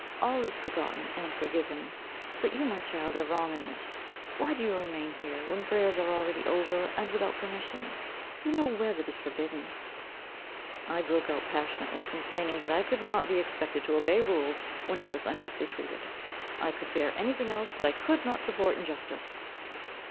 All is forgotten and forgiven. But you, my child, are wrong in this. Why do you remain here, when prayers are already over, and without permission? You know well it is forbidden.' I broke out passionately complaining that I could not be expected to obey rules when I was unjustly treated: I could bear anything else, but I could not support injustice.